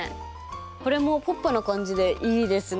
これもポップな感じでいいですね。